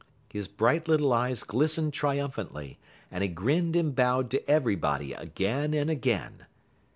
His bright little eyes glistened triumphantly, and he grinned and bowed to everybody again and again.